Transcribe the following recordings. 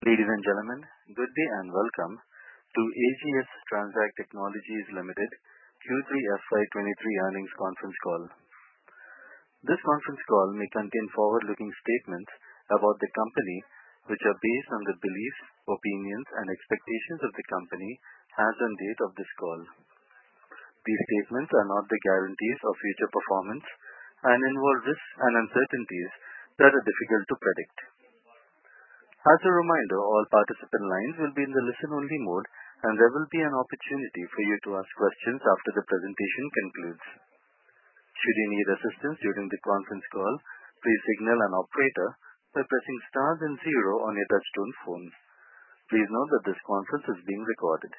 Ladies and gentlemen, good day and Welcome to AGS Transact Technologies Limited Q3 FY23 Earnings Conference Call. This conference call may contain forward-looking statements about the company which are based on the beliefs, opinions and expectations of the company as on date of this call. These statements are not the guarantees of future performance and involve risks and uncertainties that are difficult to predict. As a reminder, all participant lines will be in the listen-only mode, and there will be an opportunity for you to ask questions after the presentation concludes. Should you need assistance during the conference call, please signal an operator by pressing star and zero on your touchtone phone. Please note that this conference is being recorded.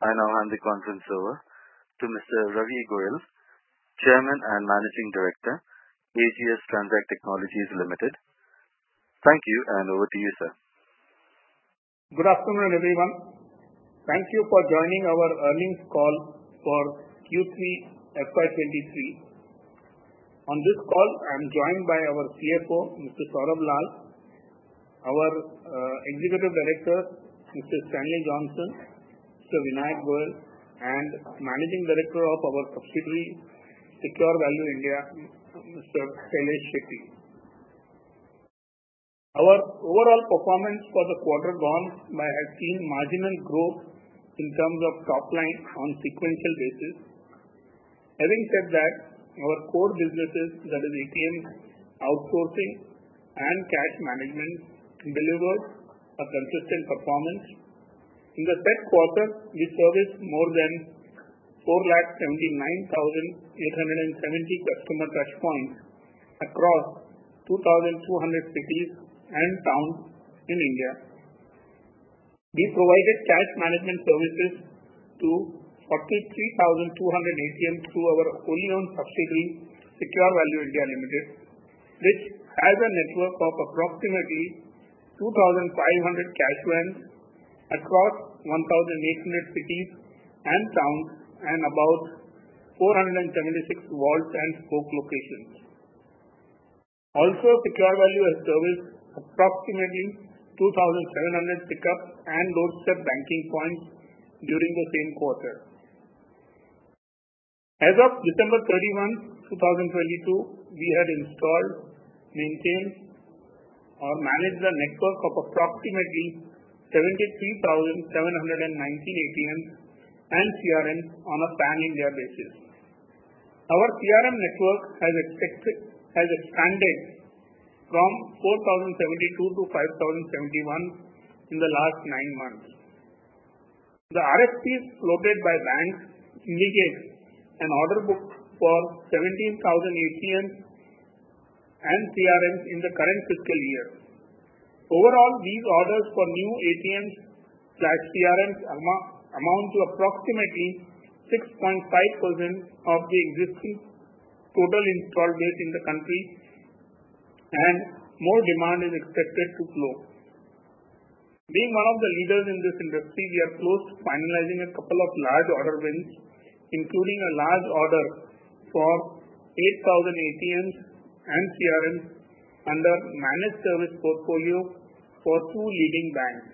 I now hand the conference over to Mr. Ravi Goyal, Chairman and Managing Director, AGS Transact Technologies Limited. Thank you, and over to you, sir. Good afternoon everyone. Thank you for joining our earnings call for Q3 FY23. On this call I am joined by our CFO, Mr. Saurabh Lal, our Executive Director, Mr. Stanley Johnson, Mr. Vinayak Verle, and Managing Director of our subsidiary Securevalue India, Mr. Hrishikesh Shetye. Our overall performance for the quarter gone may have seen marginal growth in terms of top line on sequential basis. Having said that, our core businesses, that is ATMs, outsourcing and cash management delivered a consistent performance. In the said quarter, we serviced more than 479,870 customer touchpoints across 2,200 cities and towns in India. We provided cash management services to 33,200 ATMs through our fully owned subsidiary, Secure Value India Limited, which has a network of approximately 2,500 cash vans across 1,800 cities and towns and about 476 vault and spoke locations. Secure Value has serviced approximately 2,700 pickup and doorstep banking points during the same quarter. As of December 31, 2022, we had installed, maintained or managed a network of approximately 73,719 ATMs and CRMs on a pan-India basis. Our CRM network has expanded from 4,072-5,071 in the last nine months. The RFPs floated by banks indicate an order book for 17,000 ATMs and CRMs in the current fiscal year. Overall, these orders for new ATMs/CRMs amount to approximately 6.5% of the existing total installed base in the country and more demand is expected to flow. Being one of the leaders in this industry, we are close to finalizing a couple of large order wins, including a large order for 8,000 ATMs and CRMs under managed service portfolio for two leading banks.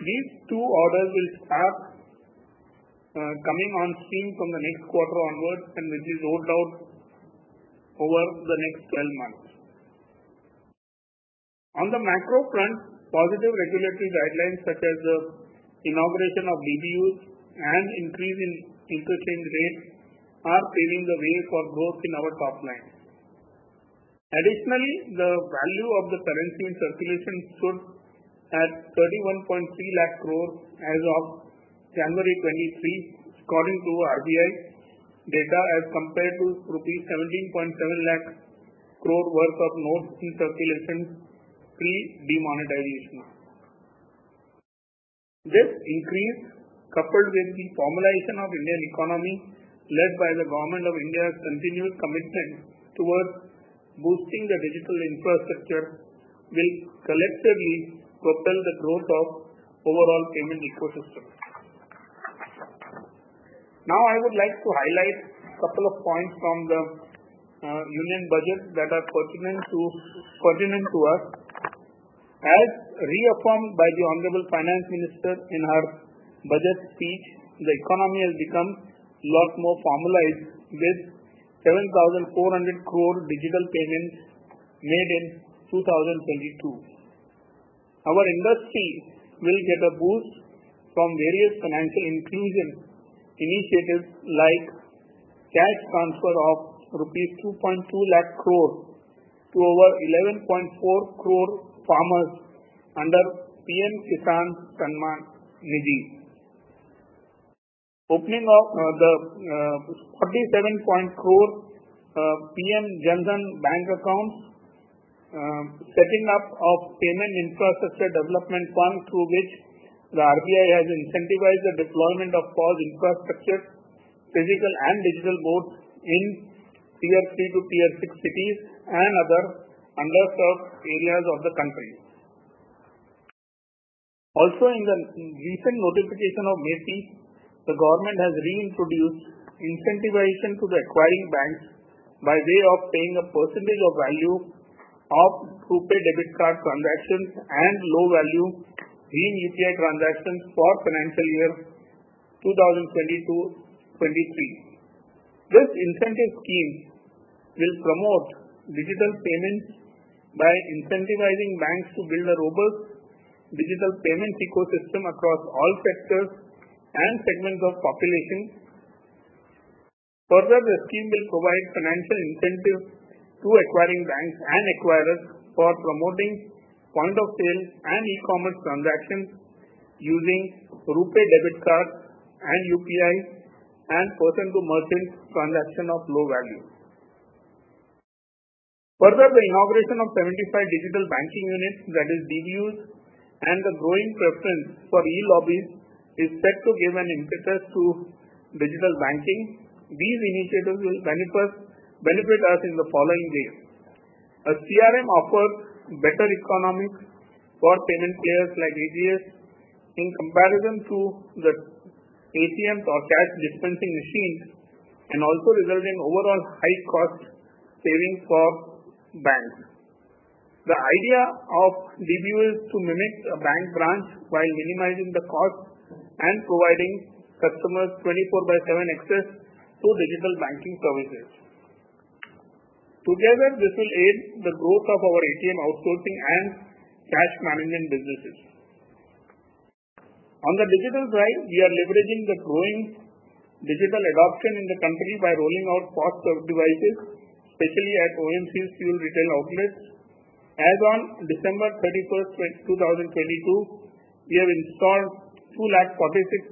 These two orders will start coming on stream from the next quarter onwards and will be rolled out over the next 12 months. On the macro front, positive regulatory guidelines such as the inauguration of BBUs and increase in interchange rates are paving the way for growth in our top line. Additionally, the value of the currency in circulation stood at 31.3 lakh crore as of January 23, according to RBI data, as compared to rupees 17.7 lakh crore worth of notes in circulation pre-demonetization. This increase, coupled with the formalization of Indian economy led by the Government of India's continuous commitment towards boosting the digital infrastructure, will collectively propel the growth of overall payment ecosystem. I would like to highlight a couple of points from the Union Budget that are pertinent to us. As reaffirmed by the Honorable Finance Minister in her Budget speech, the economy has become a lot more formalized with 7,400 crore digital payments made in 2022. Our industry will get a boost from various financial inclusion initiatives like cash transfer of rupees 2.2 lakh crore to over 11.4 crore farmers under Pradhan Mantri Kisan Samman Nidhi. Opening of INR 47 crore Pradhan Mantri Jan Dhan Yojana bank accounts. Setting up of Payment Infrastructure Development Fund through which the Reserve Bank of India has incentivized the deployment of POS infrastructure, physical and digital both in tier three to tier six cities and other underserved areas of the country. In the recent notification of MeitY, the government has reintroduced incentivization to the acquiring banks by way of paying a percentage of value of RuPay debit card transactions and low value UPI transactions for financial year 2022/2023. This incentive scheme will promote digital payments by incentivizing banks to build a robust digital payment ecosystem across all sectors and segments of population. The scheme will provide financial incentives to acquiring banks and acquirers for promoting point of sale and e-commerce transactions using RuPay debit cards and UPI and person to merchant transaction of low value. The inauguration of 75 digital banking units, that is, DBUs, and the growing preference for e-Lobbies is set to give an impetus to digital banking. These initiatives will benefit us in the following ways. A CRM offers better economics for payment players like AGS in comparison to the ATMs or cash dispensing machines and also result in overall high cost savings for banks. The idea of DBUs is to mimic a bank branch while minimizing the cost and providing customers 24/7 access to digital banking services. Together, this will aid the growth of our ATM outsourcing and cash management businesses. On the digital side, we are leveraging the growing digital adoption in the country by rolling out POS devices, especially at OMC fuel retail outlets. As on December 31st, 2022, we have installed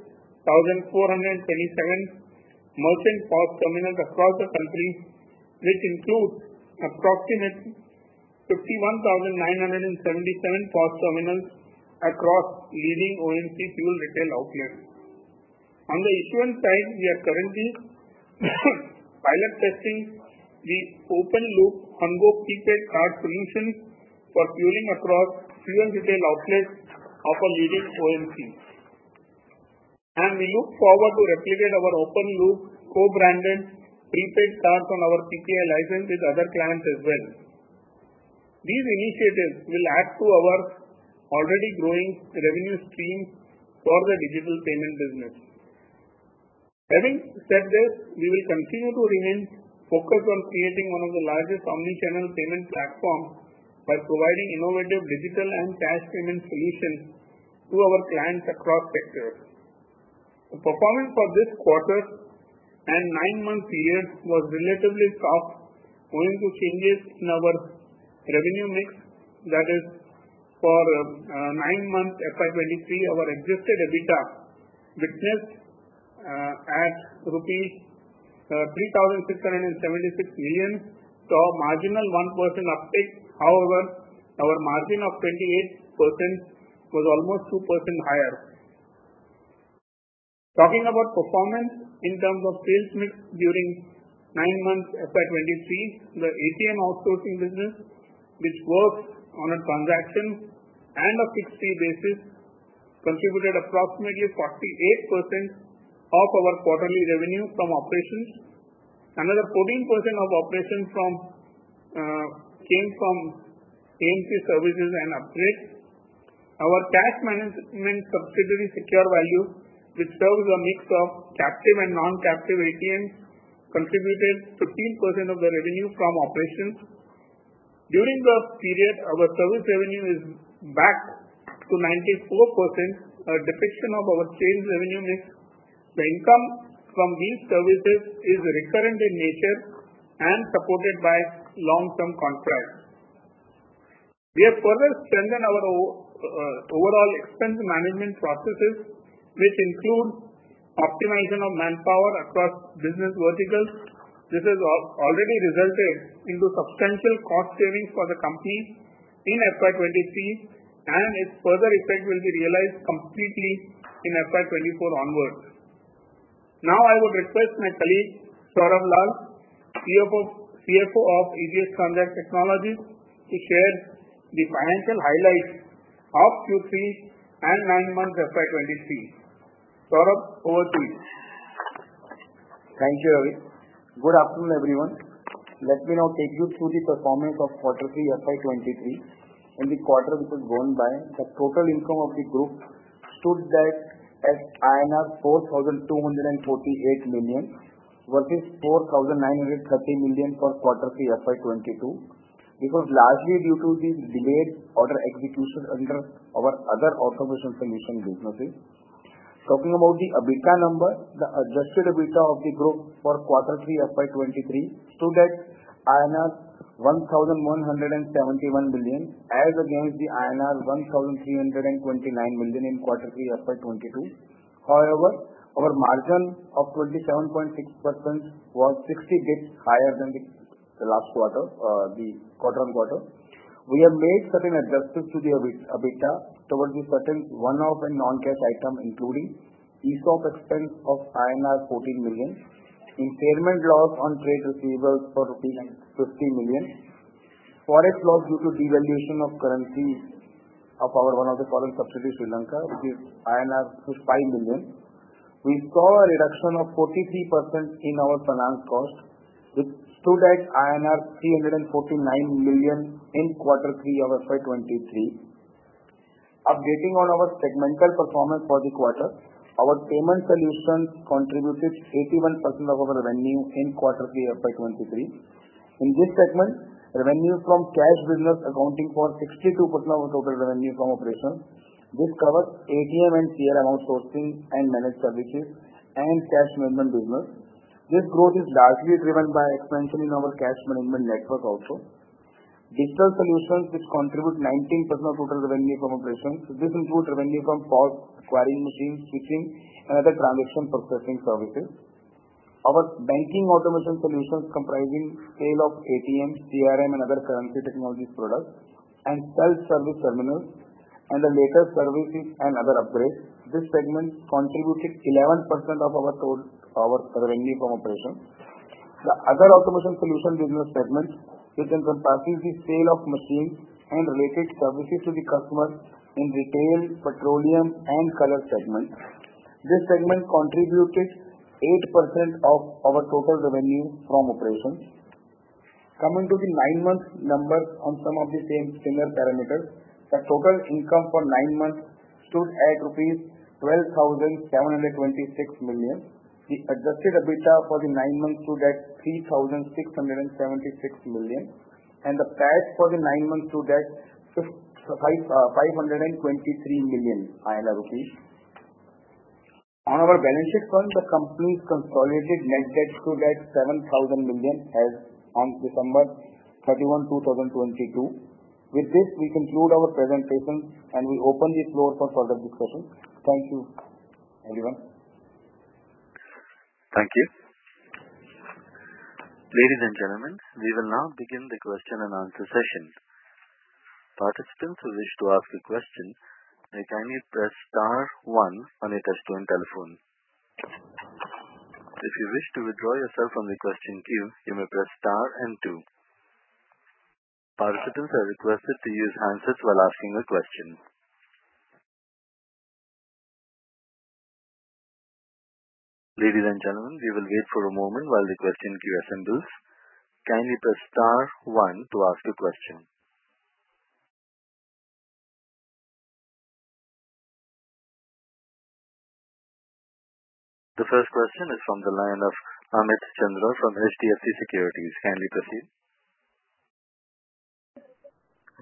246,427 merchant POS terminals across the country, which includes approximate 51,977 POS terminals across leading OMC fuel retail outlets. On the issuance side, we are currently pilot testing the open loop Ongo prepaid card solutions for fueling across fuel retail outlets of a leading OMC. We look forward to replicate our open loop co-branded prepaid cards on our PCI license with other clients as well. These initiatives will add to our already growing revenue streams for the digital payment business. Having said this, we will continue to remain focused on creating one of the largest omnichannel payment platform by providing innovative digital and cash payment solutions to our clients across sectors. The performance for this quarter and nine months year was relatively soft owing to changes in our revenue mix. That is for nine months FY23, our adjusted EBITDA witnessed at INR 3,676 million saw a marginal 1% uptick. However, our margin of 28% was almost 2% higher. Talking about performance in terms of sales mix during nine months FY23, the ATM outsourcing business which works on a transaction and a fixed fee basis contributed approximately 48% of our quarterly revenue from operations. Another 14% of operations came from AMC services and upgrades. Our cash management subsidiary Secure Value, which serves a mix of captive and non-captive ATMs contributed 15% of the revenue from operations. During the period our service revenue is back to 94%, a depiction of our sales revenue mix. The income from these services is recurring in nature and supported by long term contracts. We have further strengthened our overall expense management processes, which include optimization of manpower across business verticals. This has already resulted into substantial cost savings for the company in FY23. Its further effect will be realized completely in FY24 onwards. I would request my colleague, Saurabh Lal, CFO of AGS Transact Technologies, to share the financial highlights of Q3 and nine months FY 2023. Saurabh, over to you. Thank you, Rovi. Good afternoon, everyone. Let me now take you through the performance of quarter three FY23. In the quarter just gone by the total income of the group stood back at INR 4,248 million versus 4,930 million for quarter three FY22. It was largely due to the delayed order execution under our other automation solutions businesses. Talking about the EBITDA number, the adjusted EBITDA of the group for quarter three FY23 stood at INR 1,171 million as against the INR 1,329 million in quarter three FY22. However, our margin of 27.6% was 60 basis points higher than the last quarter, the quarter-on-quarter. We have made certain adjustments to the EBITDA towards the certain one-off and non-cash item including ESOP expense of INR 14 million, impairment loss on trade receivables for rupees 50 million. Forex loss due to devaluation of currency of our one of the foreign subsidiary, Sri Lanka, which is INR 5 million. We saw a reduction of 43% in our finance cost, which stood at INR 349 million in quarter three of FY23. Updating on our segmental performance for the quarter. Our payment solutions contributed 81% of our revenue in quarter three of FY23. In this segment, revenue from cash business accounting for 62% of total revenue from operations. This covers ATM and TRM outsourcing and managed services and cash management business. This growth is largely driven by expansion in our cash management network also. Digital solutions which contribute 19% of total revenue from operations. This includes revenue from POS, acquiring machines, switching and other transaction processing services. Our banking automation solutions comprising sale of ATMs, TRM and other currency technology products and self-service terminals and the later services and other upgrades. This segment contributed 11% of our total revenue from operations. The other automation solution business segment which encompasses the sale of machines and related services to the customers in retail, petroleum and color segments. This segment contributed 8% of our total revenue from operations. Coming to the nine-month numbers on some of the same similar parameters. The total income for nine months stood at rupees 12,726 million. The adjusted EBITDA for the nine months stood at 3,676 million rupees. The PAT for the nine months stood at 523 million rupees. On our balance sheet front, the company's consolidated net debt stood at 7,000 million as on December 31, 2022. With this, we conclude our presentation and we open the floor for further discussion. Thank you, everyone. Thank you. Ladies and gentlemen, we will now begin the question and answer session. Participants who wish to ask a question may kindly press star one on your touchtone telephone. If you wish to withdraw yourself from the question queue, you may press star and two. Participants are requested to use answers while asking a question. Ladies and gentlemen, we will wait for a moment while the question queue assembles. Kindly press star one to ask a question. The 1st question is from the line of Amit Chandra from HDFC Securities. Kindly proceed.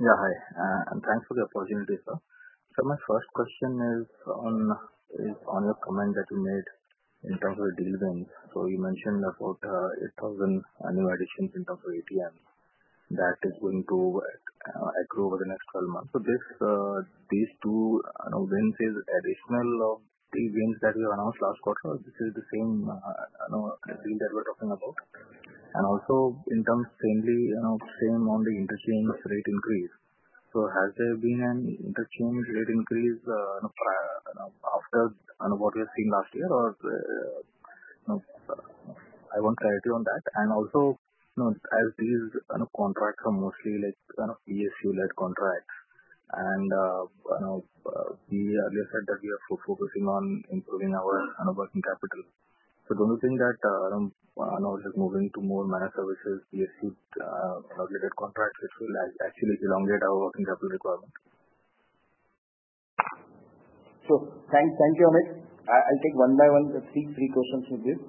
Hi, thanks for the opportunity, sir. My 1st question is on your comment that you made in terms of deals. You mentioned about 8,000 annual additions in terms of ATMs. That is going to accrue over the next 12 months. This, these two, you know, wins is additional of three wins that you announced last quarter. This is the same, you know, deal that we're talking about. Also in terms mainly, you know, same on the interchange rate increase. Has there been an interchange rate increase, you know, after, you know, what we have seen last year? Or, you know, I want clarity on that. Also, you know, as these are contracts are mostly like, you know, PSU-led contracts and, you know, we earlier said that we are focusing on improving our, you know, working capital. Don't you think that, you know, just moving to more managed services PSU, you know, led contracts which will actually elongate our working capital requirement? Thank you, Amit. I'll take one by one these three questions you gave.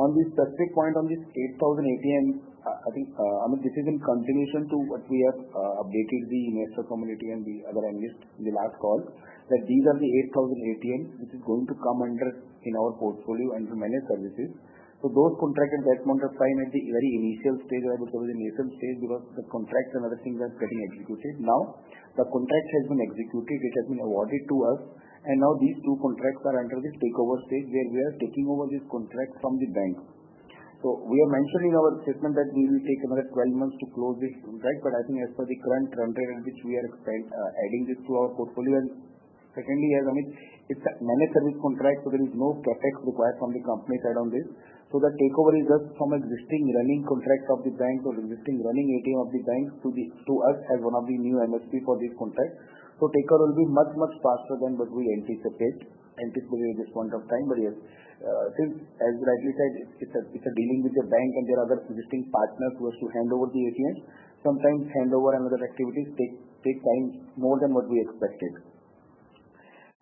On the specific point on this 8,000 ATMs, I think, I mean, this is in continuation to what we have updated the investor community and the other analysts in the last call. That these are the 8,000 ATMs which is going to come under in our portfolio under managed services. Those contracts at that point are signed at the very initial stage or I would call the initial stage because the contracts and other things were getting executed. Now, the contract has been executed. It has been awarded to us and now these two contracts are under this takeover stage where we are taking over this contract from the bank. We have mentioned in our statement that we will take another 12 months to close this contract. I think as per the current run rate at which we are adding this to our portfolio. Secondly, as Amit, it's a managed service contract, there is no CapEx required from the company side on this. The takeover is just from existing running contract of the bank or existing running ATM of the bank to us as one of the new MSP for this contract. Takeover will be much faster than what we anticipated at this point of time. Yes, I think as rightly said, it's a dealing with a bank and there are other existing partners who have to hand over the ATMs. Sometimes hand over and other activities take time more than what we expected.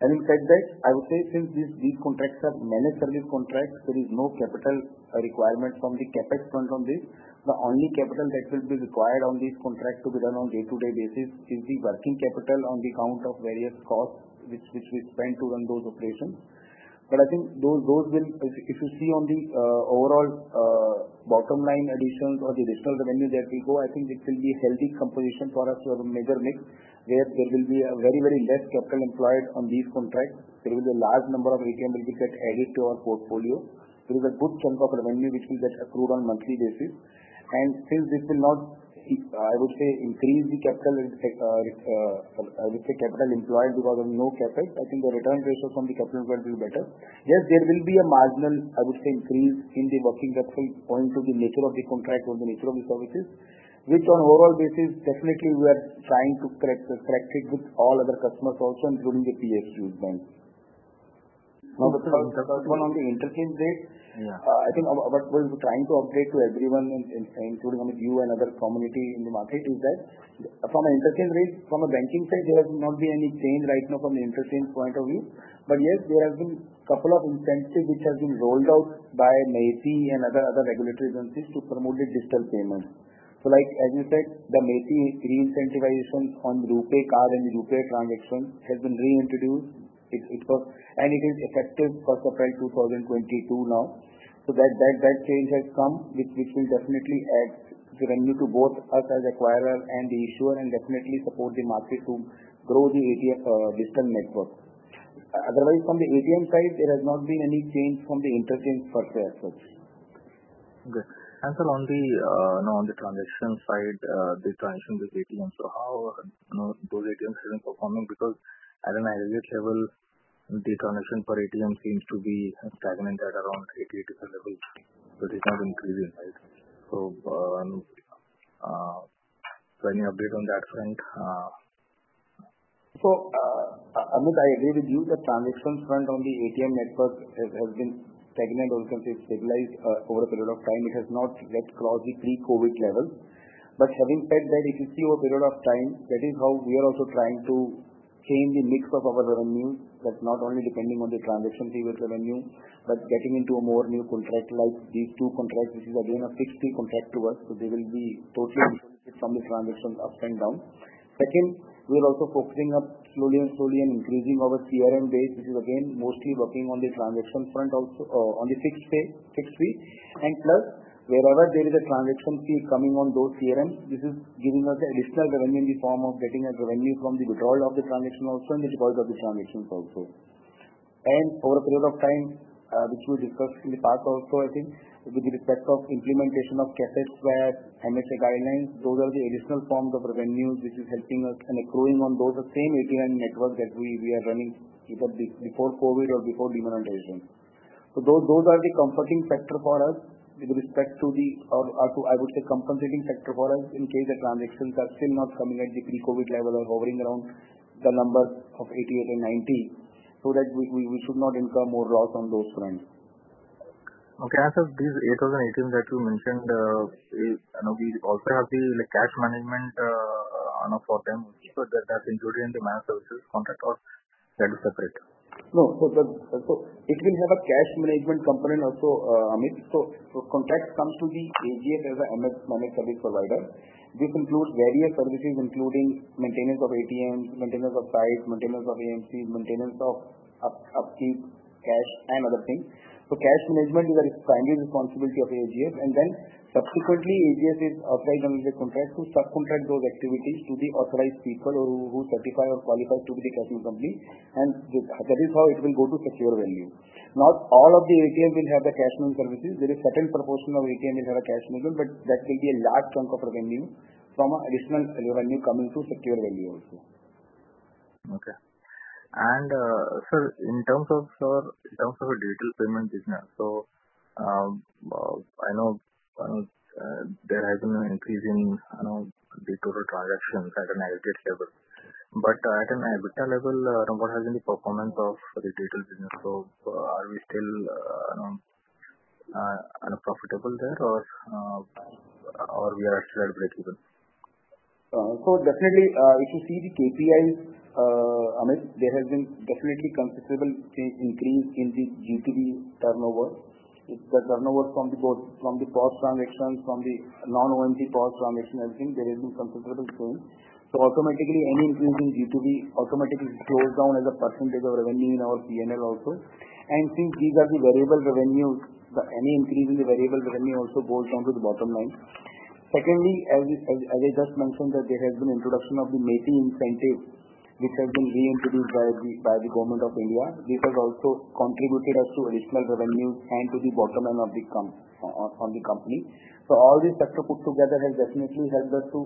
Having said that, I would say since these contracts are managed service contracts, there is no capital requirement from the CapEx front on this. The only capital that will be required on this contract to be done on day-to-day basis is the working capital on the account of various costs which we spend to run those operations. I think those will... If you see on the overall bottom line additions or the additional revenue that will go, I think this will be a healthy composition for us to have a major mix where there will be a very less capital employed on these contracts. There is a large number of ATMs will get added to our portfolio. There is a good chunk of revenue which will get accrued on monthly basis. Since this will not, I would say, increase the capital, I would say capital employed because of no CapEx. I think the return ratio from the capital will be better. Yes, there will be a marginal, I would say, increase in the working capital points of the nature of the contract or the nature of the services, which on overall basis, definitely we are trying to correct it with all other customers also, including the PSU banks. One on the interchange rate. Yeah. I think what was trying to update to everyone, including you and other community in the market, is that from an interchange rate from a banking side, there has not been any change right now from an interchange point of view. Yes, there have been couple of incentives which have been rolled out by MeitY and other regulatory agencies to promote the digital payment. Like, as you said, the MeitY reincentivization on RuPay card and RuPay transaction has been reintroduced. It was. It is effective for April 2022 now. That change has come which will definitely add revenue to both us as acquirers and the issuer and definitely support the market to grow the ADF digital network. Otherwise, from the ATM side, there has not been any change from the interchange per se as such. Okay. Sir, on the, you know, on the transaction side, the transaction with ATM. How, you know, those ATMs have been performing? Because at an aggregate level, the transaction for ATM seems to be stagnant at around 80%-30%. It is not increasing, right? Any update on that front? Amit Chandra, I agree with you. The transaction front on the ATM network has been stagnant or you can say stabilized over a period of time. It has not yet crossed the pre-COVID level. Having said that, if you see over a period of time, that is how we are also trying to change the mix of our revenue, that's not only depending on the transaction fee with revenue, but getting into a more new contract like these two contracts, which is again a fixed fee contract to us. They will be totally different from the transactions ups and downs. Second, we are also focusing on slowly and slowly increasing our CRM base, which is again mostly working on the transaction front also on the fixed pay, fixed fee. Plus wherever there is a transaction fee coming on those CRMs, this is giving us additional revenue in the form of getting a revenue from the withdrawal of the transaction also and the deposits of the transactions also. Over a period of time, which we discussed in the past also, I think with respect of implementation of cassettes where MSA guidelines, those are the additional forms of revenue which is helping us and accruing on those same ATM network that we are running before COVID or before demonetization. Those are the comforting factor for us with respect to the or to, I would say compensating factor for us in case the transactions are still not coming at the pre-COVID level or hovering around the numbers of 88 and 90, so that we should not incur more loss on those fronts. Okay. As of these 8,000 ATMs that you mentioned, you know, we also have the cash management on offer for them. That has included in the managed services contract or that is separate? No. It will have a cash management component also, Amit. Contract comes to the AGS as a managed service provider. This includes various services including maintenance of ATMs, maintenance of sites, maintenance of AMCs, maintenance of upkeep, cash and other things. Cash management is a primary responsibility of the AGS and then subsequently AGS is authorized under the contract to subcontract those activities to the authorized people who certify or qualify to be the cash management company. That is how it will go to secure revenue. Not all of the ATMs will have the cash management services. There is certain proportion of ATM will have a cash management, but that will be a large chunk of revenue from additional revenue coming to secure revenue also. Okay. sir, in terms of your, in terms of digital payment business. I know there has been an increase in, you know, the total transactions at an aggregate level. At an EBITDA level, what has been the performance of the digital business? Are we still, you know, unprofitable there or we are actually at breakeven? Definitely, if you see the KPIs, Amit, there has been definitely considerable change increase in the G2B turnover. It's the turnover from the POS transactions, from the non-OMC POS transaction, I think there has been considerable change. Automatically any increase in G2B automatically flows down as a percentage of revenue in our P&L also. Since these are the variable revenues, any increase in the variable revenue also goes down to the bottom line. Secondly, as I just mentioned that there has been introduction of the MEPI incentive which has been reintroduced by the Government of India. This has also contributed us to additional revenues and to the bottom line of the company. All these factors put together has definitely helped us to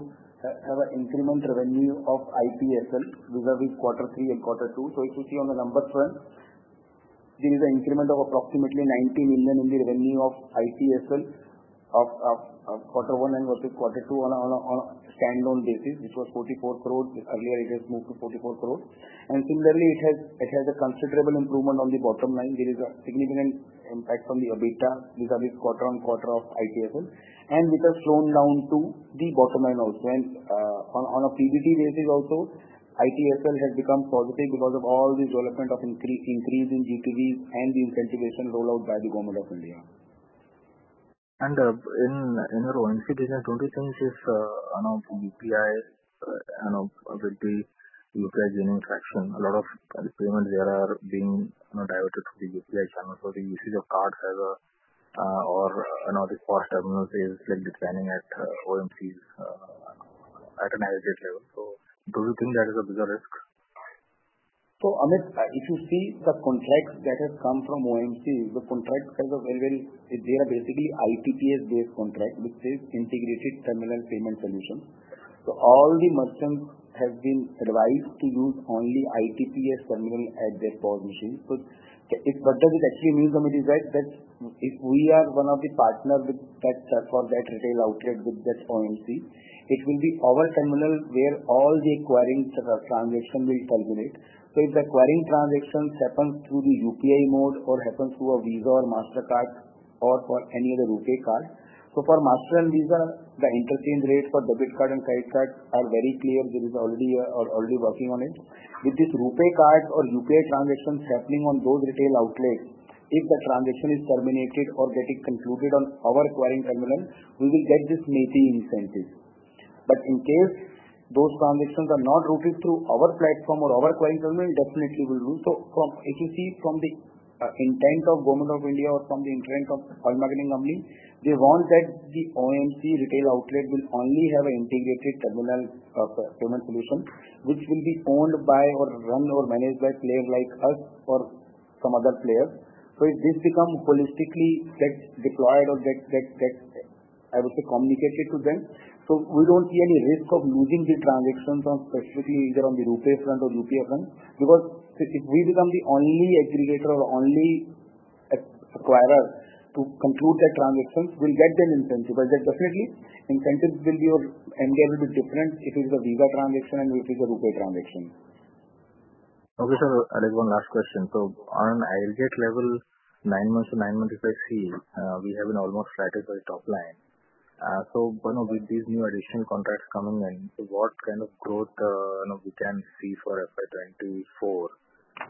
have an incremental revenue of ITSL vis-a-vis quarter three and quarter two. If you see on the numbers front, there is an increment of approximately 19 million in the revenue of ITSL of quarter one versus quarter two on a standalone basis, which was 44 crores. This earlier it has moved to 44 crores. Similarly it has a considerable improvement on the bottom line. There is a significant impact on the EBITDA vis-a-vis quarter-on-quarter of ITSL and which has flown down to the bottom line also. On a PBT basis also, ITSL has become positive because of all the development of increase in G2B and the incentivization rolled out by the Government of India. In our own business, don't you think this, you know, UPI, you know, with the UPI gaining traction, a lot of payments there are being, you know, diverted to the UPI channel. The usage of cards as a, or, you know, the cost terminals is like declining at OMCs, at an aggregate level. Do you think that is a bigger risk? Amit, if you see the contracts that have come from OMC, the contract has a very, they are basically ITPS based contract, which is Integrated Terminal Payment Solution. All the merchants have been advised to use only ITPS terminal at their position. What does it actually mean, Amit, is that if we are one of the partners with that, for that retail outlet with this OMC, it will be our terminal where all the acquiring sort of transaction will terminate. If the acquiring transactions happen through the UPI mode or happen through a Visa or Mastercard or any other RuPay card. For Master and Visa, the interchange rate for debit card and credit card are very clear. This is already working on it. With this RuPay card or UPI transactions happening on those retail outlets, if the transaction is terminated or getting concluded on our acquiring terminal, we will get this needy incentive. In case those transactions are not routed through our platform or our acquiring terminal, definitely we'll lose. From, if you see from the intent of Government of India or from the intent of oil marketing company, they want that the OMC retail outlet will only have an Integrated Terminal Payment Solution which will be owned by or run or managed by players like us or some other players. If this becomes holistically get deployed or get, I would say, communicated to them, so we don't see any risk of losing the transactions on specifically either on the RuPay front or UPI front, because if we become the only aggregator or only acquirer to conclude that transaction, we'll get that incentive. That definitely incentive will be or amount will be different if it is a Visa transaction and if it's a RuPay transaction. Okay, sir. I have one last question. On, I get level nine months to nine months by three, we have been almost satisfied top line. With these new additional contracts coming in, what kind of growth, you know, we can see for FY24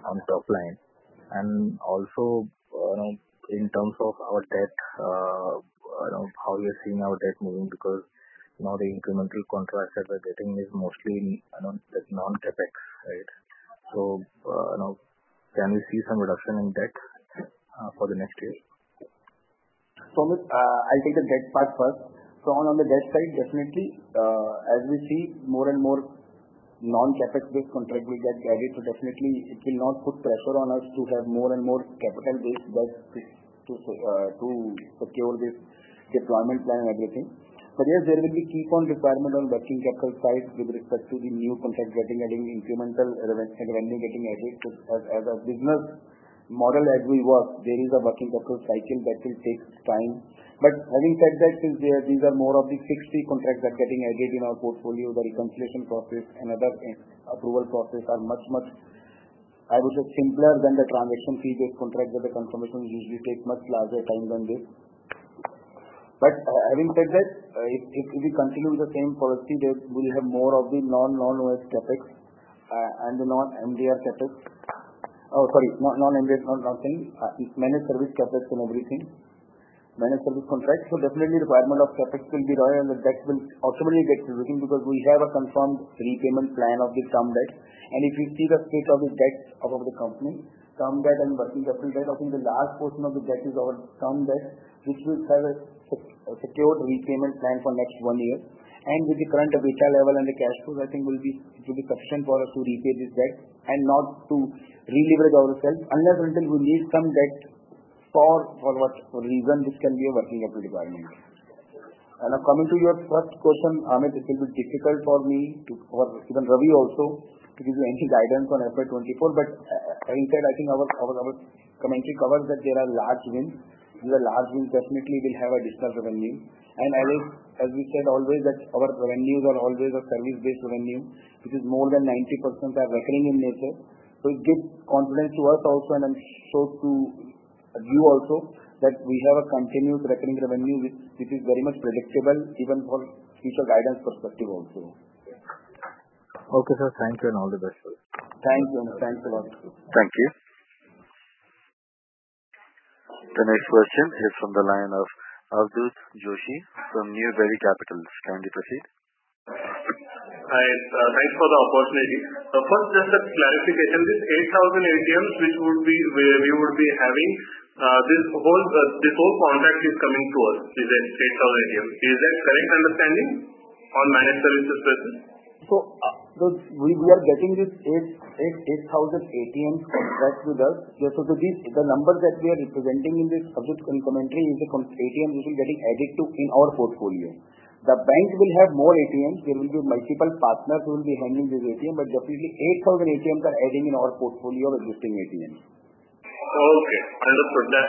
on top line? Also, you know, in terms of our debt, how you're seeing our debt moving because now the incremental contracts that we're getting is mostly, you know, non-CAPEX, right? Can we see some reduction in debt for the next year? Amit, I'll take the debt part 1st. On the debt side, definitely, as we see more and more non-CapEx based contract will get added. Definitely it will not put pressure on us to have more and more capital base debt to secure this deployment plan and everything. Yes, there will be keep on requirement on working capital side with respect to the new contract getting added, incremental revenue getting added. As a business model as we work, there is a working capital cycle that will take time. Having said that, since these are more of the fixed fee contracts that are getting added in our portfolio, the reconciliation process and other approval process are much, much, I would say, simpler than the transaction fee based contracts, where the confirmation usually takes much larger time than this. Having said that, if we continue the same policy that we'll have more of the non-OS CAPEX and the non-MR CAPEX. Sorry, non-MR is not something. Managed service CAPEX and everything. Managed service contracts. Definitely requirement of CAPEX will be there and the debt will ultimately get reducing because we have a confirmed repayment plan of the term debt. If you see the state of the debt of the company, term debt and working capital debt, I think the last portion of the debt is our term debt which will have a secure repayment plan for next one year. With the current EBITDA level and the cash flow, I think it will be question for us to repay this debt and not to relever ourselves unless and until we need some debt for what reason, which can be a working capital requirement. Now coming to your 1st question, Amit, it's a bit difficult for me to or even Ravi also to give you any guidance on FY24. Instead I think our commentary covers that there are large wins. These are large wins, definitely will have a dispersed revenue. I will, as we said always that our revenues are always a service-based revenue which is more than 90% are recurring in nature.It gives confidence to us also and show to you also that we have a continuous recurring revenue which is very much predictable even for future guidance perspective also. Okay, sir. Thank you and all the best. Thank you. Thanks a lot. Thank you. The next question is from the line of Ankur Joshi from New Delhi Capital. Can you proceed? Hi. Thanks for the opportunity. First, just a clarification. This 8,000 ATMs we would be having, this whole contract is coming to us, this 8,000 ATMs. Is that correct understanding on managed services business? We are getting this 8,000 ATMs contract with us. The number that we are representing in this subject commentary is the ATM which is getting added to in our portfolio. The banks will have more ATMs. There will be multiple partners who will be having this ATM. Definitely 8,000 ATMs are adding in our portfolio of existing ATMs. Understood that.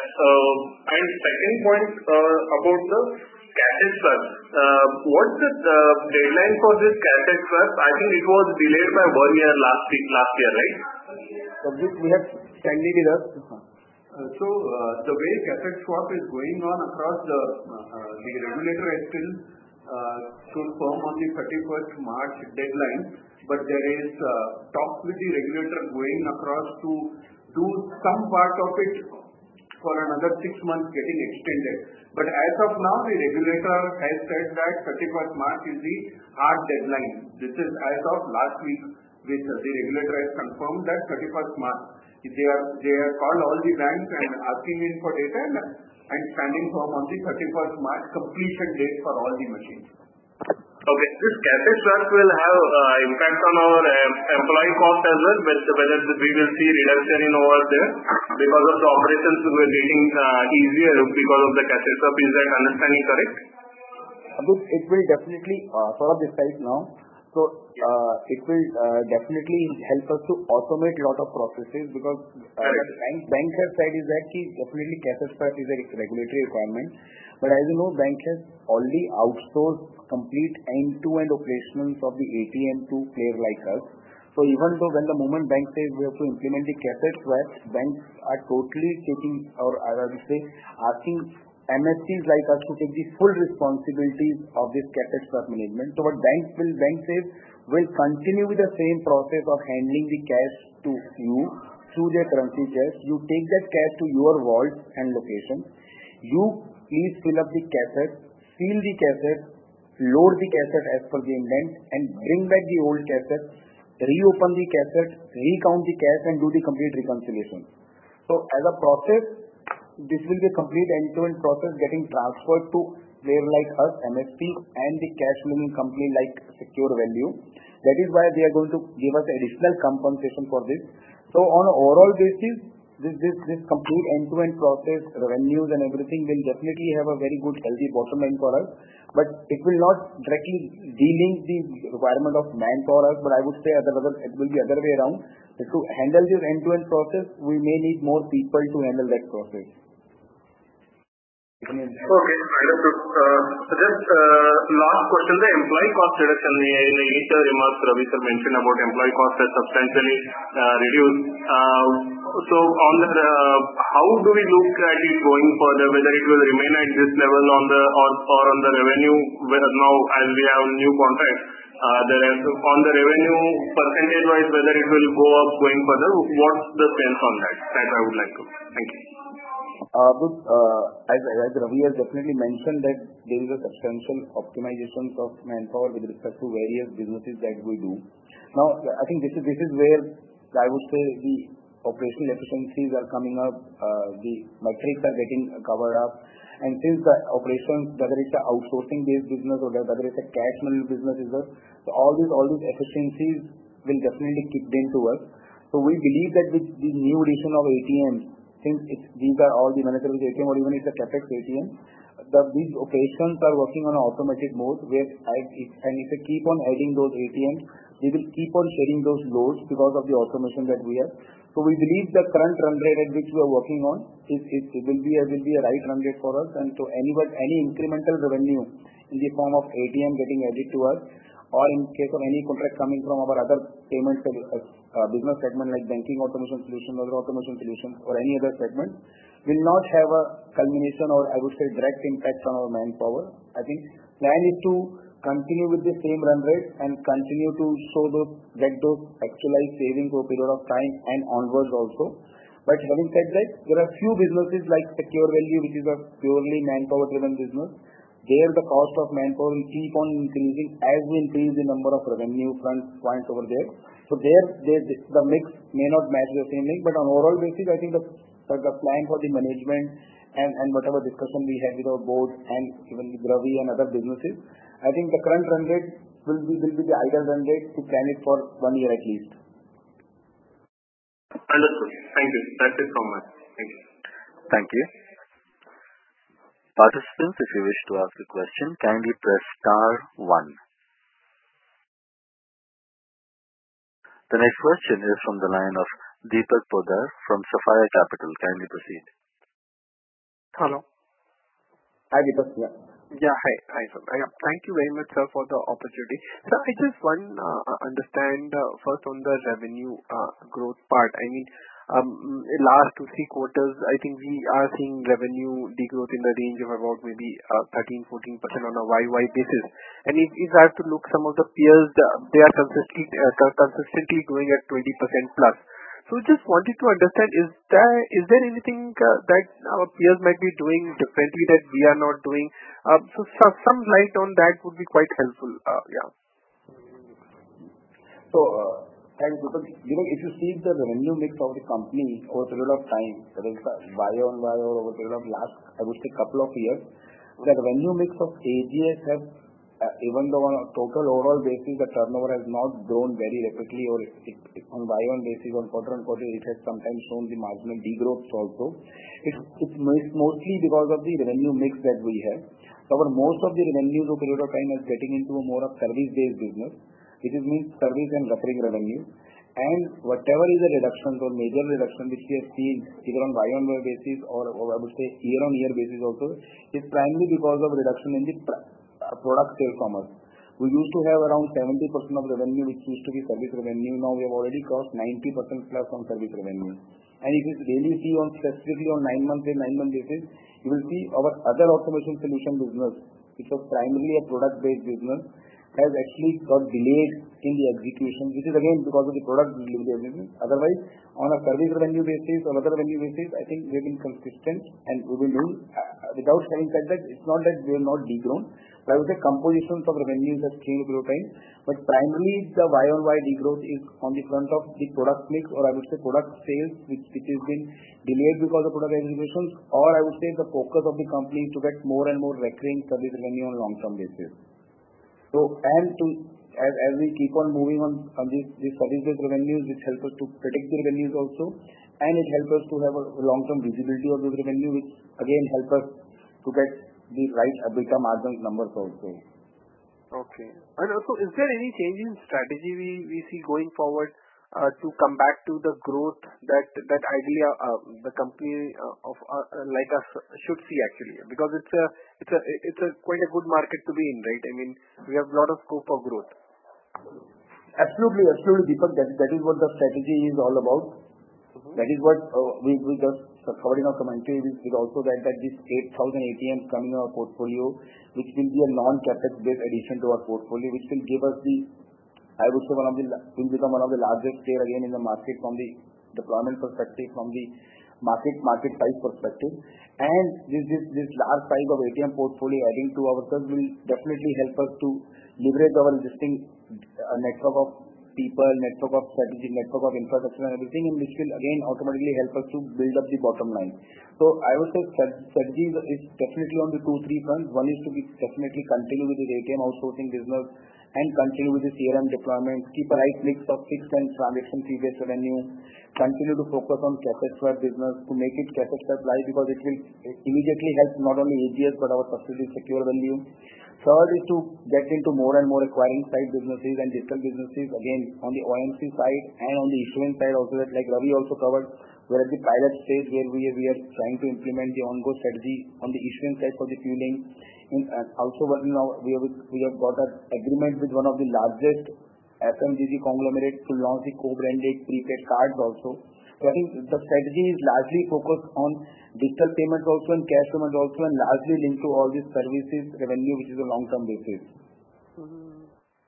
Second point about the cash swap. What's the deadline for this cash swap? I think it was delayed by one year last year, right? Abdul, we have Sandy with us. The way cassette swap is going on across the regulator has been so firm on the 31st March deadline. There is talk with the regulator going across to do some part of it for another six months getting extended. As of now, the regulator has said that 31st March is the hard deadline. This is as of last week, with the regulator has confirmed that 31st March. They have called all the banks and asking them for data and standing firm on the 31st March completion date for all the machines. Okay. This cassette slots will have impact on our employee cost as well. Whether we will see reduction in over there because of the operations we are getting easier because of the cassette, is that understanding correct? Abhish, it will definitely, so at this time now. It will, definitely help us to automate a lot of processes because. Correct. bank's side is that definitely cassette slot is a regulatory requirement. As you know, banks have only outsourced complete end-to-end operational from the ATM to player like us. Even though when the moment bank says we have to implement the cassette slot, banks are totally taking or I would say asking MSPs like us to take the full responsibility of this cassette slot management. Bank says, "We'll continue with the same process of handling the cash to you through the currency cash. You take that cash to your vault and location. You please fill up the cassette, seal the cassette, load the cassette as per the indent and bring back the old cassette, reopen the cassette, recount the cash and do the complete reconciliation. As a process, this will be a complete end-to-end process getting transferred to player like us, MSP and the cash moving company like Securevalue India. That is why they are going to give us additional compensation for this. On overall basis, this complete end-to-end process revenues and everything will definitely have a very good healthy bottom line for us. It will not directly dealing the requirement of manpower us, but I would say other way that it will be other way around. To handle this end-to-end process we may need more people to handle that process. Okay. Understood. Just last question, the employee cost reduction. In the initial remarks, Ravi, sir mentioned about employee cost has substantially reduced. On the how do we look at it going further? Whether it will remain at this level, or on the revenue where now as we have new contracts there? On the revenue percentage-wise, whether it will go up going further, what's the sense on that? That I would like to. Thank you. Ankur, as Ravi has definitely mentioned that there is a substantial optimization of manpower with respect to various businesses that we do. Now, I think this is where I would say the operational efficiencies are coming up. The metrics are getting covered up. Since the operations, whether it's an outsourcing-based business or whether it's a cash moving business as well, all these efficiencies will definitely kick in to us. We believe that with the new addition of ATMs since these are all the manageable ATM or even if it's a cassette ATM, that these operations are working on an automatic mode where if and if we keep on adding those ATMs we will keep on sharing those loads because of the automation that we have. We believe the current run rate at which we are working on it will be a right run rate for us and to any where any incremental revenue in the form of ATM getting added to us or in case of any contract coming from our other payments business segment like banking automation solution or other automation solution or any other segment will not have a culmination or I would say direct impact on our manpower. Plan is to continue with the same run rate and continue to show those, let those actualized savings over a period of time and onwards also. Having said that, there are few businesses like Securevalue which is a purely manpower-driven business. There the cost of manpower will keep on increasing as we increase the number of revenue front points over there. There the mix may not match the same way. On overall basis, I think the plan for the management and whatever discussion we had with our board and even Ravi and other businesses, I think the current run rate will be the ideal run rate to plan it for one year at least. Understood. Thank you. Thank you so much. Thank you. Thank you. Participants, if you wish to ask a question, kindly press star one. The next question is from the line of Deepak Poddar from Sapphire Capital. Kindly proceed. Hello. Hi, Deepak. Yeah. Hi. Hi, sir. Thank you very much, sir, for the opportunity. Sir, I just want understand 1st on the revenue growth part. I mean, in last two, three quarters I think we are seeing revenue decline in the range of about maybe 13%-14% on a YoY basis. If I have to look some of the peers, they are consistently growing at 20%+. Just wanted to understand is there anything that our peers might be doing differently that we are not doing? Some light on that would be quite helpful. And because, you know, if you see the revenue mix of the company over a period of time, that is, YoY over a period of last I would say couple of years, the revenue mix of AGS has, even though on a total overall basis the turnover has not grown very rapidly or it on YoY basis or quarter on quarter it has sometimes shown the marginal decline also. It's mostly because of the revenue mix that we have. Our most of the revenue over a period of time is getting into a more of service-based business. This is means service and recurring revenue. Whatever is the reductions or major reduction which we have seen either on YoY basis or I would say year-on-year basis also is primarily because of reduction in the product sales for us. We used to have around 70% of revenue which used to be service revenue. Now we have already crossed 90%+ on service revenue. If you daily see on specifically on nine month basis you will see our other automation solution business which was primarily a product-based business has actually got delayed in the execution which is again because of the product delivery only. Otherwise on a service revenue basis or other revenue basis I think we have been consistent and we will do. Without having said that it's not that we have not declined. I would say composition of revenues has changed over time. Primarily the year-over-year decline is on the front of the product mix or I would say product sales which has been delayed because of product reservations or I would say the focus of the company is to get more and more recurring service revenue on long-term basis. As we keep on moving on this service-based revenues, which help us to protect the revenues also and it help us to have a long-term visibility of the revenue which again help us to get the right EBITDA margin numbers also. Okay. Also, is there any change in strategy we see going forward, to come back to the growth that idea of the company of like us should see actually? It's a quite a good market to be in, right? I mean, we have lot of scope of growth. Absolutely. That is what the strategy is all about. Mm-hmm. That is what we just covered in our commentary is also that this 8,000 ATMs coming in our portfolio, which will be a non-CapEx-based addition to our portfolio, which will give us the, I would say will become one of the largest player again in the market from the deployment perspective, from the market size perspective. This large size of ATM portfolio adding to ourselves will definitely help us to leverage our existing network of people, network of strategy, network of infrastructure and everything, which will again automatically help us to build up the bottom line. I would say strategy is definitely on the two, three fronts. One is to be definitely continue with the ATM outsourcing business and continue with the CRM deployment. Keep the right mix of fixed and transaction fee-based revenue. Continue to focus on CapEx for our business to make it CapEx apply because it will immediately help not only AGS, but our prospective secure revenue. Third is to get into more and more acquiring side businesses and digital businesses again on the OMC side and on the issuing side also. Like Mr. Ravi Goyal also covered, we are at the pilot stage where we are trying to implement the Ongo strategy on the issuing side for the fueling. Also one now we have got an agreement with one of the largest FMCG conglomerate to launch the co-branded prepaid cards also. I think the strategy is largely focused on digital payment also and cash payment also and largely linked to all these services revenue which is a long-term basis.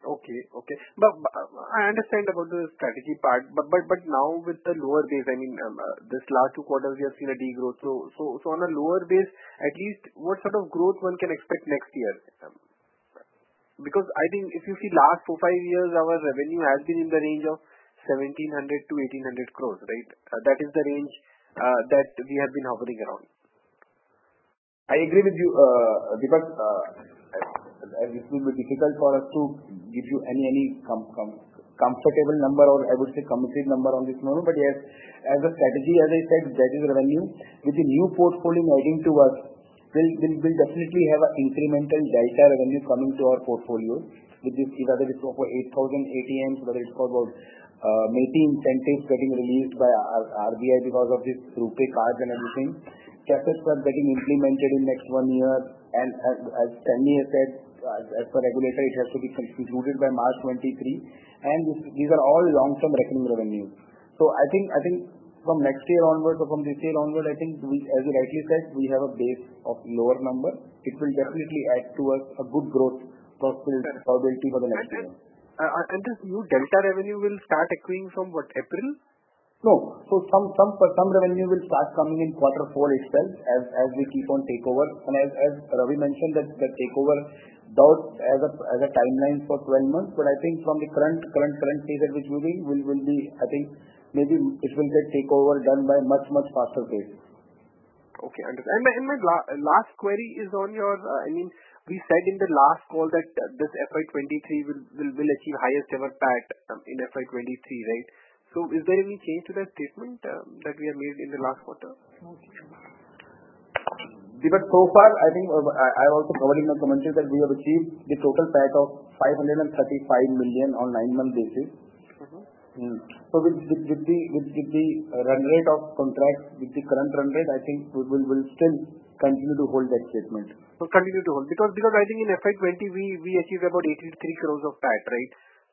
Okay. Okay. I understand about the strategy part. Now with the lower base, I mean, this last two quarters we have seen a degrowth. On a lower base, at least what sort of growth one can expect next year? I think if you see last four, five years, our revenue has been in the range of 1,700-1,800 crores, right? That is the range that we have been hovering around. I agree with you. Because it will be difficult for us to give you any comfortable number or I would say committed number on this now. Yes, as a strategy, as I said, that is revenue. With the new portfolio adding to us, we'll definitely have an incremental delta revenue coming to our portfolio with this either this over 8,000 ATMs, whether it's about maybe incentives getting released by RBI because of this RuPay cards and everything. CapEx are getting implemented in next one year and as Sandy has said, as per regulator, it has to be concluded by March 2023. These are all long-term recurring revenues. I think from next year onwards or from this year onwards, I think we as you rightly said, we have a base of lower number. It will definitely add towards a good growth prospects or potential for the next year. Under you delta revenue will start accruing from what, April? No. Some revenue will start coming in quarter four itself as we keep on takeover. As Ravi mentioned that the takeover does have a timeline for 12 months, but I think from the current stage at which we will be, I think maybe it will get takeover done by much faster pace. Okay. Understood. My last query is on your, I mean, we said in the last call that this FY23 will achieve highest ever PAT in FY23, right? Is there any change to that statement that we have made in the last quarter? So far I think I also covered in my commentary that we have achieved the total PAT of 535 million on nine month basis. Mm-hmm. With the run rate of contracts, with the current run rate, I think we will still continue to hold that statement. Continue to hold. Because I think in FY20 we achieved about 83 crores of PAT, right?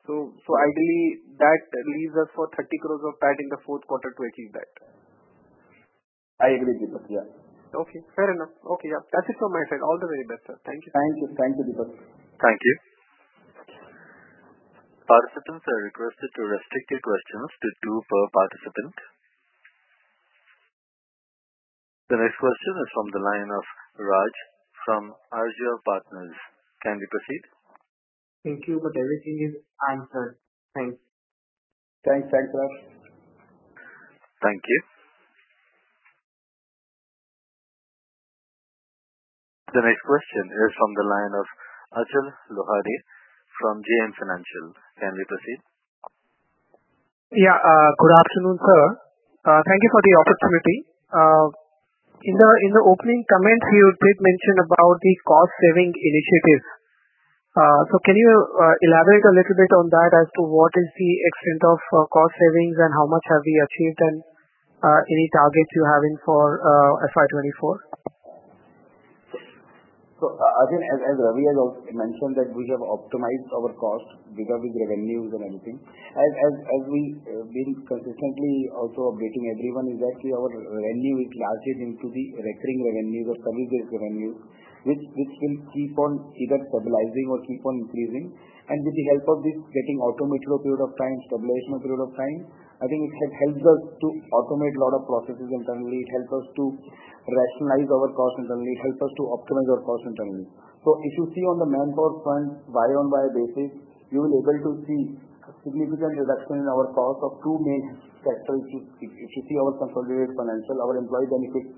Ideally that leaves us for 30 crores of PAT in the 4th quarter to achieve that. I agree with you. Yeah. Okay. Fair enough. Okay. Yeah. That's it from my side. All the very best, sir. Thank you. Thank you. Thank you, Deepak. Thank you. Participants are requested to restrict your questions to two per participant. The next question is from the line of [Raj] from [Arseno Partners]. Can we proceed? Thank you. Everything is answered. Thanks. Thanks. Thanks, Raj. Thank you. The next question is from the line of Achal Lohade from JM Financial. Can we proceed? Good afternoon, sir. Thank you for the opportunity. In the opening comments you did mention about the cost saving initiatives. Can you elaborate a little bit on that as to what is the extent of cost savings and how much have we achieved and any targets you're having for FY24? as Ravi has also mentioned that we have optimized our cost because of the revenues and everything. As we've been consistently also updating everyone is that our revenue is largely into the recurring revenue or service-based revenue which will keep on either stabilizing or keep on increasing. With the help of this getting automated over a period of time, stabilization over a period of time, I think it has helped us to automate a lot of processes internally. It helped us to rationalize our cost internally. It helped us to optimize our cost internally. If you see on the manpower front year-over-year basis, you will be able to see a significant reduction in our cost of two main sectors. If you see our consolidated financial, our employee benefits,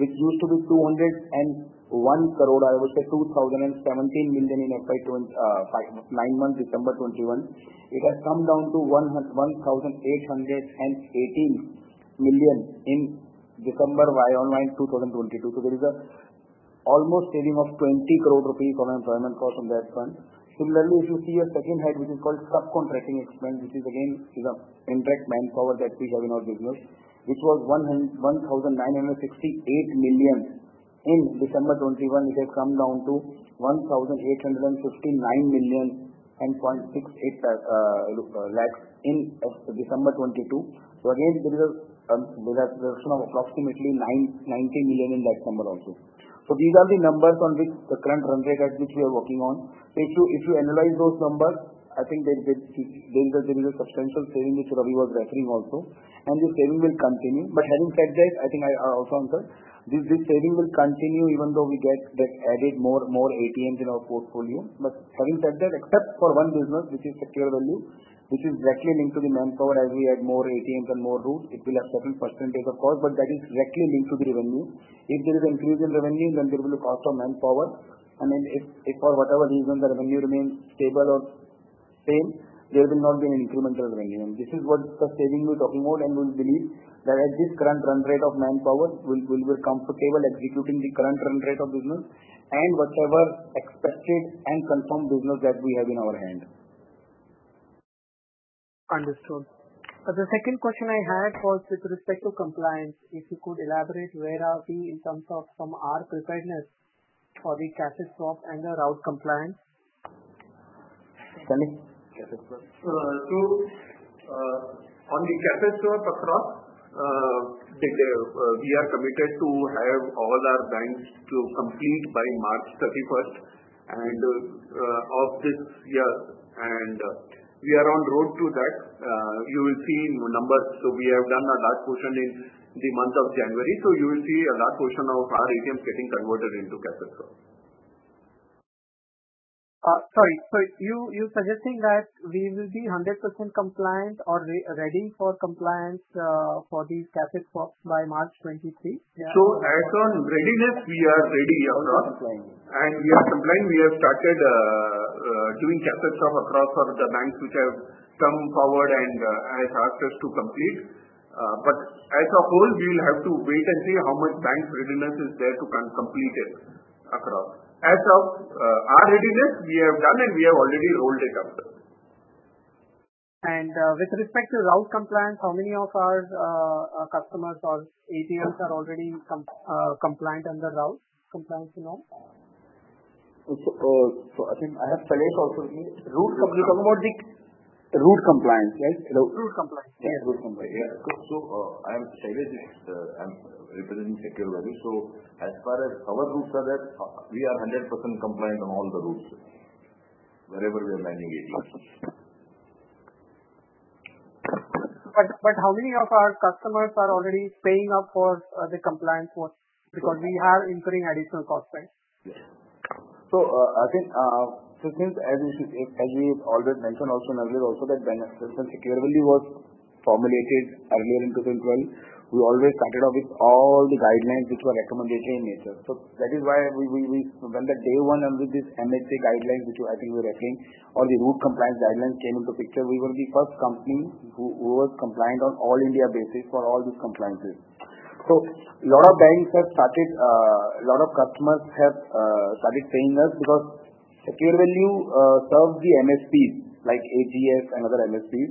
which is, which used to be 201 crore, I would say 2,017 million in FY nine months, December 2021. It has come down to 1,818 million in December YoY 2022. There is a almost saving of 20 crore rupees on employment cost on that front. Similarly, if you see a 2nd head which is called subcontracting expense, which is again is a indirect manpower that we have in our business, which was 1,968 million in December 2021. It has come down to 1,859 million and 0.68 lakhs in December 2022. Again, there is a reduction of approximately 990 million in that number also. These are the numbers on which the current run rate at which we are working on. If you analyze those numbers, I think there's a substantial saving which Ravi was referring also. This saving will continue. Having said that, I think I'll answer. This saving will continue even though we get added more ATMs in our portfolio. Having said that, except for one business which is Securevalue India, which is directly linked to the manpower, as we add more ATMs and more routes, it will have certain percentage of cost, but that is directly linked to the revenue. If there is increase in revenue, then there will be cost of manpower. If for whatever reason the revenue remains stable or same, there will not be any incremental revenue. This is what the saving we are talking about and we believe that at this current run rate of manpower, we will be comfortable executing the current run rate of business and whatever expected and confirmed business that we have in our hand. Understood. The 2nd question I had was with respect to compliance. If you could elaborate where are we in terms of some our preparedness for the cassette swap and the route compliance? Sorry. Cash swap. On the cash swap across, we are committed to have all our banks to complete by March 31st and of this year and we are on road to that. You will see in numbers. We have done a large portion in the month of January. You will see a large portion of our ATMs getting converted into cash swap. Sorry. You're suggesting that we will be 100% compliant or re-ready for compliance for these cassette swaps by March 2023? As on readiness, we are ready across. Also compliant. We are compliant. We have started doing cash swap across for the banks which have come forward and has asked us to complete. As a whole, we will have to wait and see how much banks' readiness is there to complete it across. As of our readiness, we have done and we have already rolled it out there. With respect to route compliance, how many of our customers or ATMs are already compliant under route compliance norm? I think I have Suresh also here. Route compliance- You're talking about the route compliance, right? Route. Route compliance. Yeah, route compliance. Yeah. I am Suresh. I'm representing Securevalue. As far as our routes are there, we are 100% compliant on all the routes wherever we are manning ATMs. How many of our customers are already paying up for, the compliance... We are incurring additional cost, right? Yes. I think, since, as you, as we always mentioned also earlier also that when Securevalue was formulated earlier in 2012, we always started off with all the guidelines which were recommended in nature. That is why we from the day one under this MHA guidelines which I think you were referring or the RuPay compliance guidelines came into picture, we were the 1st company who was compliant on all India basis for all these compliances. A lot of banks have started, a lot of customers have started paying us because Securevalue serves the MSPs like AGS and other MSPs.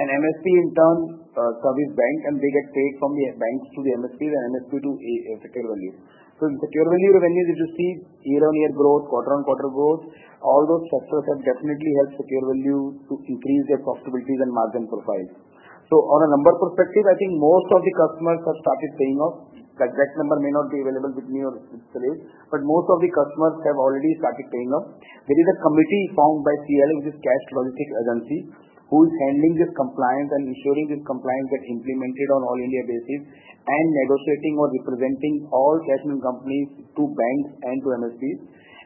MSP in turn, service bank and they get paid from the banks to the MSPs and MSP to Securevalue. Securevalue revenues, if you see year-over-year growth, quarter-over-quarter growth, all those sectors have definitely helped Securevalue to increase their profitability and margin profile. On a number perspective, I think most of the customers have started paying off. The exact number may not be available with me or Suresh, but most of the customers have already started paying off. There is a committee formed by CLA, which is Cash Logistics Association, who is handling this compliance and ensuring this compliance gets implemented on all-India basis and negotiating or representing all cash companies to banks and to MSPs.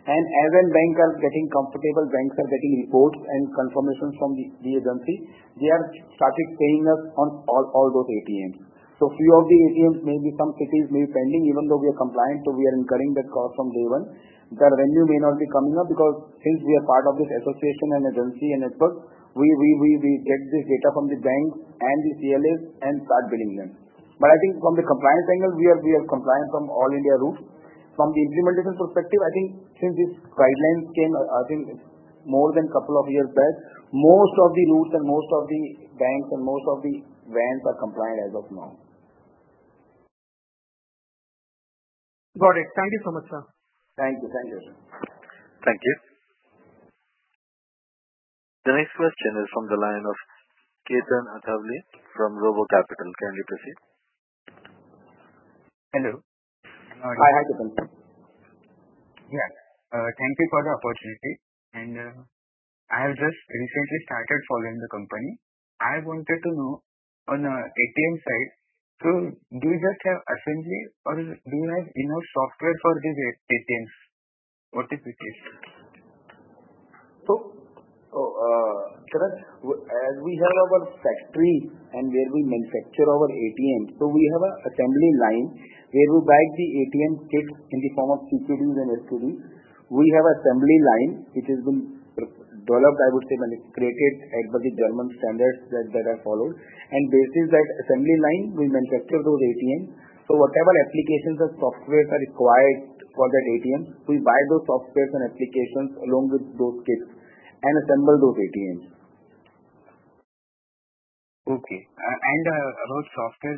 As and when banks are getting comfortable, banks are getting reports and confirmations from the agency, they have started paying us on all those ATMs. Few of the ATMs may be some cities may be pending, even though we are compliant. We are incurring that cost from day one. The revenue may not be coming up because since we are part of this association and agency and network, we get this data from the banks and the CLAs and start billing them. I think from the compliance angle, we are compliant from all India routes. From the implementation perspective, I think since these guidelines came, I think more than couple years back, most of the routes and most of the banks and most of the vans are compliant as of now. Got it. Thank you so much, sir. Thank you. Thank you. Thank you. The next question is from the line of Ketan Athavale from RoboCapital. Can we proceed? Hello. Hi, Ketan. Thank you for the opportunity. I have just recently started following the company. I wanted to know on ATM side, do you just have assembly or do you have enough software for these ATMs? What is it? As we have our factory and where we manufacture our ATMs, we have an assembly line where we buy the ATM kits in the form of CKDs and SKDs. We have assembly line which has been developed, I would say, and it's created as per the German standards that are followed. Based on that assembly line, we manufacture those ATMs. Whatever applications or software are required for that ATM, we buy those software and applications along with those kits and assemble those ATMs. Okay. About software,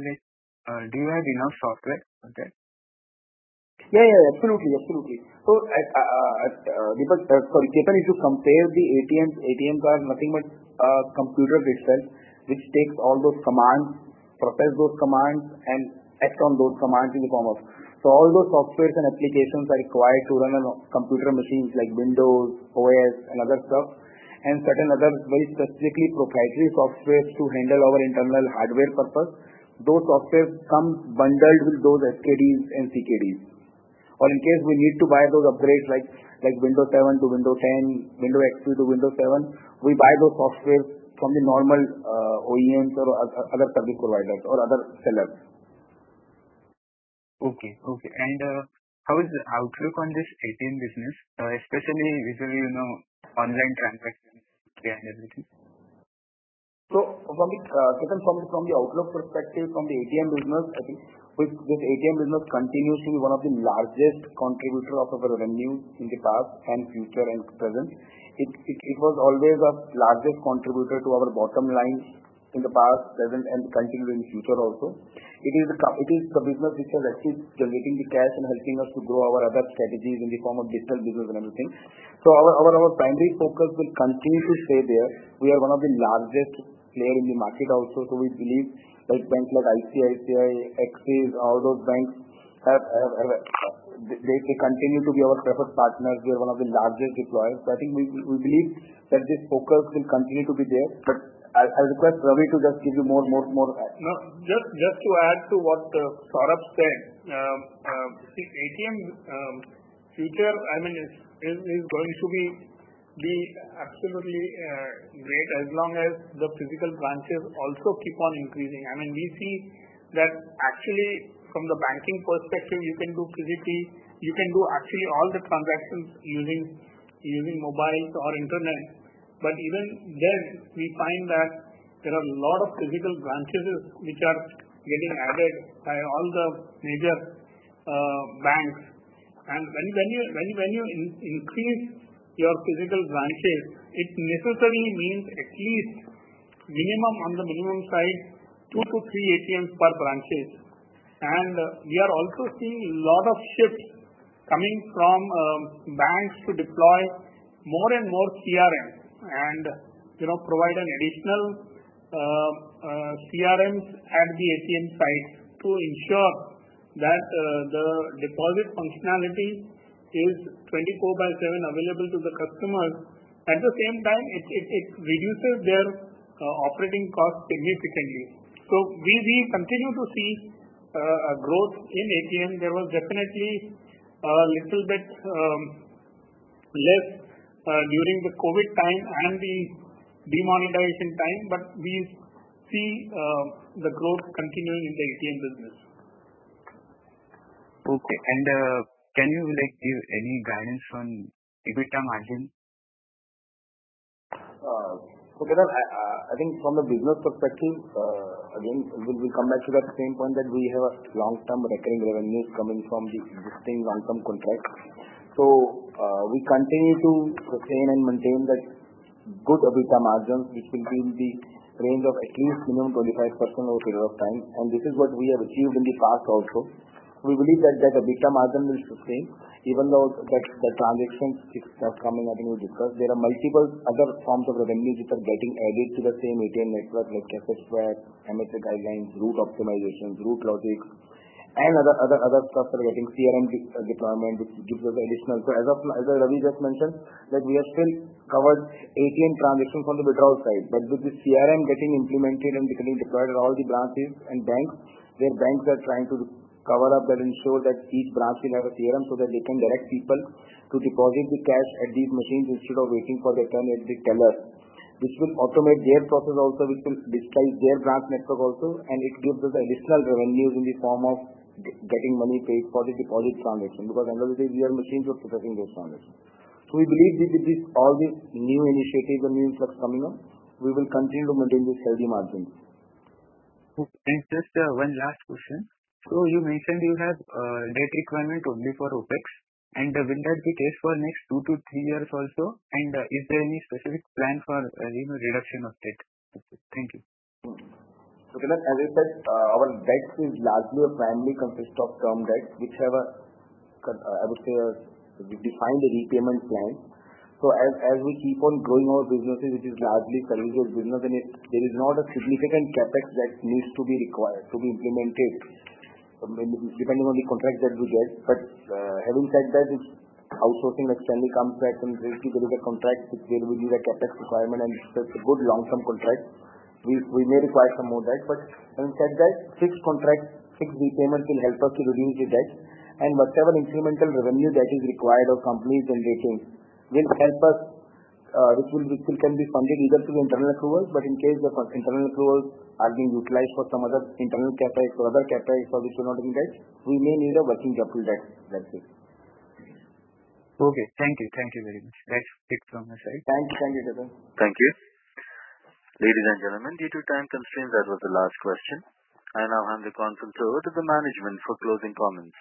do you have enough software for that? Yeah. Absolutely. Because for Ketan, if you compare the ATMs are nothing but computer itself, which takes all those commands, process those commands and act on those commands in the form of. All those softwares and applications are required to run on computer machines like Windows OS and other stuff, and certain other very specifically proprietary softwares to handle our internal hardware purpose. Those softwares come bundled with those SKDs and CKDs. In case we need to buy those upgrades like Windows 7 to Windows 10, Windows XP to Windows 7, we buy those softwares from the normal OEMs or other service providers or other sellers. Okay. Okay. How is the outlook on this ATM business, especially with, you know, online transactions and everything? from it, Ketan from the outlook perspective from the ATM business, I think this ATM business continues to be one of the largest contributor of our revenue in the past and future and present. It was always our largest contributor to our bottom line in the past, present and continue in the future also. It is the business which has achieved generating the cash and helping us to grow our other strategies in the form of digital business and everything. our primary focus will continue to stay there. We are one of the largest player in the market also. we believe like banks like ICICI, Axis, all those banks have, they continue to be our preferred partners. We are one of the largest deployers. I think we believe that this focus will continue to be there. I request Ravi to just give you more. No. Just to add to what Saurabh said, the ATM future, I mean, is going to be absolutely great as long as the physical branches also keep on increasing. I mean, we see that actually from the banking perspective, you can do physically, you can do actually all the transactions using mobile or internet. Even then, we find that there are a lot of physical branches which are getting added by all the major banks. When you increase your physical branches, it necessarily means at least minimum on the minimum side, 2-3 ATMs per branches. We are also seeing lot of shifts coming from banks to deploy more and more CRMs and, you know, provide an additional CRMs at the ATM sites to ensure that the deposit functionality is 24/7 available to the customers. At the same time, it reduces their operating costs significantly. We continue to see a growth in ATM. There was definitely a little bit less during the COVID time and the demonetization time, but we see the growth continuing in the ATM business. Okay. Can you like give any guidance on EBITDA margin? Ketan, I think from the business perspective, again, we come back to that same point that we have a long-term recurring revenues coming from the existing long-term contracts. We continue to sustain and maintain that good EBITDA margins, which will be in the range of at least minimum 25% over a period of time. This is what we have achieved in the past also. We believe that that EBITDA margin will sustain even though the transactions which have come in, as we discussed, there are multiple other forms of revenues which are getting added to the same ATM network like cash extract, MSA guidelines, route optimization, route logic and other stuff are getting CRM deployment which gives us additional. As of, as Ravi just mentioned, that we are still covered ATM transactions from the withdrawal side. With the CRM getting implemented and getting deployed at all the branches and banks, where banks are trying to cover up and ensure that each branch will have a CRM so that they can direct people to deposit the cash at these machines instead of waiting for their turn with the teller. This will automate their process also, which will dislike their branch network also, and it gives us additional revenues in the form of getting money paid for the deposit transaction, because end of the day we are machines for processing those transactions. We believe with this all these new initiatives and new stuff coming up, we will continue to maintain this healthy margin. Just one last question. You mentioned you have debt requirement only for OpEx and will that be the case for next 2-3 years also? Is there any specific plan for, you know, reduction of debt? Thank you. Ketan as I said, our debts is largely or primarily consist of term debts which have a defined repayment plan. As we keep on growing our businesses, which is largely services business and there is not a significant CapEx that needs to be required to be implemented, depending on the contracts that we get. Having said that, if outsourcing externally comes back and basically there is a contract which will give us a CapEx requirement and it's a good long-term contract, we may require some more debt. Having said that, fixed contract, fixed repayment will help us to reduce the debt and whatever incremental revenue that is required or companies when they change will help us, which can be funded either through internal flows but in case the internal flows are being utilized for some other internal CapEx or other CapEx for which we don't need debt, we may need a working capital debt. That's it. Okay. Thank you. Thank you very much. That's it from my side. Thank you. Thank you, Ketan. Thank you. Ladies and gentlemen, due to time constraints, that was the last question. I now hand the conference over to the management for closing comments.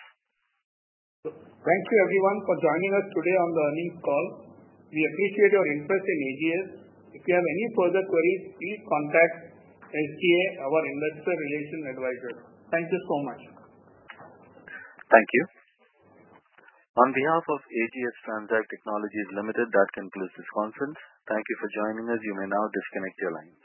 Thank you everyone for joining us today on the earnings call. We appreciate your interest in AGS. If you have any further queries, please contact SGA, our investor relations advisor. Thank you so much. Thank you. On behalf of AGS Transact Technologies Limited, that concludes this conference. Thank you for joining us. You may now disconnect your lines.